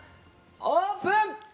オープン！